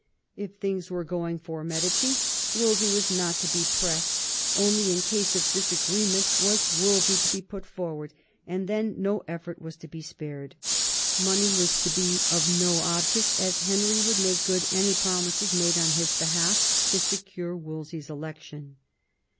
If things were going for Medici, Wolsey was not to be pressed ; only in case of a disagreement was Wolsey to be put forward, and then no effort was to be spared ; money was to be of no object^ as Henry would make good any promises made on his behalf to secure Wolsey's election.